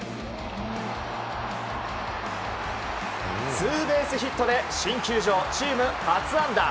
ツーベースヒットで新球場、チーム初安打。